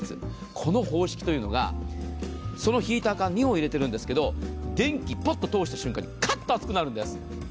この方式というのがそのヒーター管２本入れてるんですけど電気ポット通した瞬間にカッと熱くなるんです。